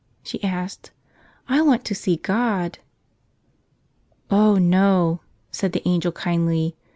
she asked. "I want to see God." "Oh, no!" said the angel kindly.